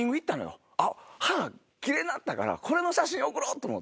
歯キレイになったからこれの写真送ろうと思って。